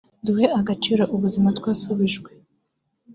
Duhe agaciro ubuzima twasubijwe